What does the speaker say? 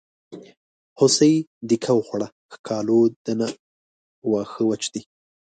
هوسۍ دیکه وخوړه ښکالو ده نه واښه وچ دي.